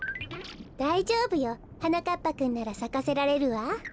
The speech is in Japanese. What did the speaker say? だいじょうぶよ。はなかっぱくんならさかせられるわ。